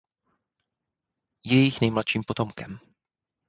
Je jejich nejmladším potomkem.